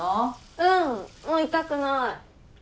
うんもう痛くない。